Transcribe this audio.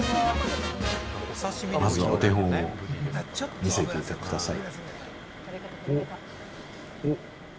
まずはお手本を見せてください。